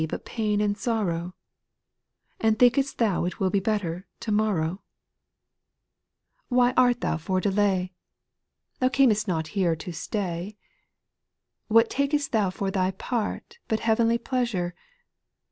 But pain and sorrow ? And think'st thou it will be Better tomorrow ? SPIRITUAL SOyOS. 181 2. Why art thou for delay ? Thou cam'st not here to stay ; What tak'st thou for thy part, But heavenly pleasure